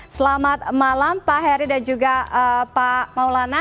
selamat malam pak heri dan juga pak maulana